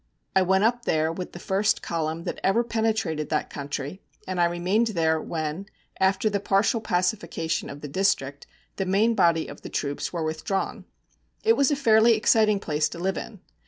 I went up there with the first column that ever penetrated that country, and I remained there when, after the partial pacification of the district, the main body of the troops were withdrawn. It was a fairly exciting place to live in.